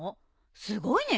すごいね。